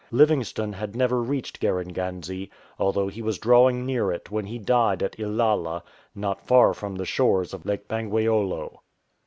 Livingstone had never reached Garenganze, though he was drawing near it when he died at Ilala, not far from the shores of Lake Bangweolo.